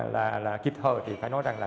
là kịp thờ thì phải nói rằng là